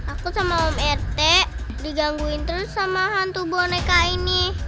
aku sama om ert digangguin terus sama hantu boneka ini